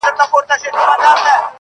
راته سور اور جوړ كړي تنور جوړ كړي,